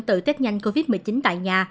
tự test nhanh covid một mươi chín tại nhà